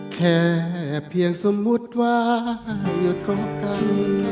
แค่เพียงสมมุติว่ายุทธ์ของกัน